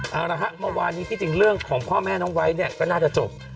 เอาละฮะเมื่อวานนี้ที่จริงเรื่องของพ่อแม่น้องไว้เนี่ยก็น่าจะจบ